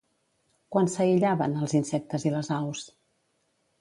Quan s'aïllaven, els insectes i les aus?